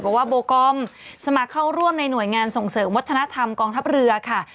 บอกว่าโบกอมสมัครเข้าร่วมในหน่วยงานส่งเสริมวัฒนธรรมกองทัพเรือค่ะ